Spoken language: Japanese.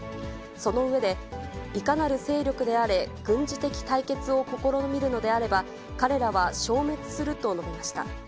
その上で、いかなる勢力であれ、軍事的対決を試みるのであれば、彼らは消滅すると述べました。